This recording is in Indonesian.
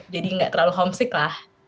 jadi nggak terlalu homesick lah